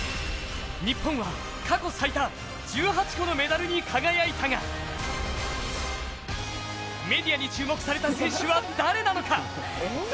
日本は過去最多１８個のメダルに輝いたがメディアに注目された選手は誰なのか！？